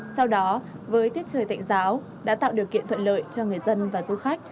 sau đó với tiết trời tạnh giáo đã tạo điều kiện thuận lợi cho người dân và du khách